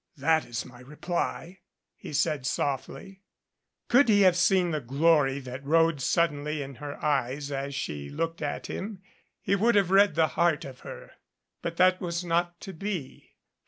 "That is my reply," he said softly. Could he have seen the glory that rode suddenly in her eyes as she looked at him, he would have read the heart of her. But that was not to be.